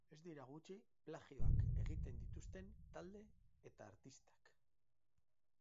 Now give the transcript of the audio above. Ez dira gutxi plagioak egiten dituzten talde eta artistak.